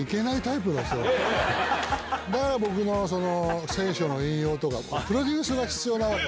だから僕の聖書の引用とかプロデュースが必要なわけ。